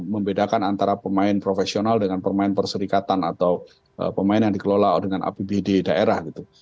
membedakan antara pemain profesional dengan pemain perserikatan atau pemain yang dikelola dengan apbd daerah gitu